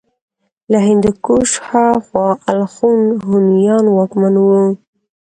له هندوکش هاخوا الخون هونيان واکمن وو